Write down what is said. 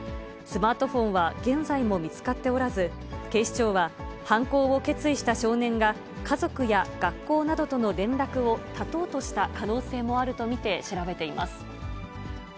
スマートフォンは現在も見つかっておらず、警視庁は犯行を決意した少年が、家族や学校などとの連絡を絶とうとした可能性もあると見て調べています。